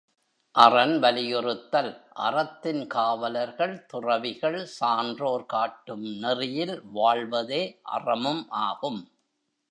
அறன் வலியுறுத்தல் அறத்தின் காவலர்கள் துறவிகள் சான்றோர் காட்டும் நெறியில் வாழ்வதே அறமும் ஆகும்.